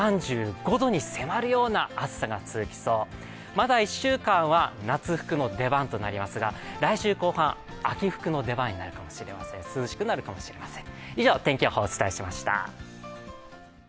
まだ１週間は夏服の出番となりますが来週後半、秋服の出番になるかもしれません、涼しくなるかもしれません。